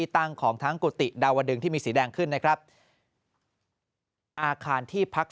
ตั้งของทั้งกุฏิดาวดึงที่มีสีแดงขึ้นนะครับอาคารที่พัก